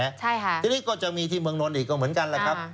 ใช่ค่ะทีนี้ก็จะมีที่เมืองนนท์อีกก็เหมือนกันแหละครับ